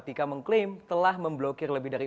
kicked off atau melewati kepotok jaringan